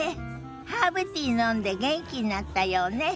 ハーブティー飲んで元気になったようね。